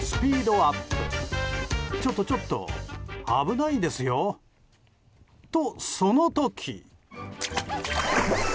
あ、ちょっと、ちょっと危ないですよ！と、その時。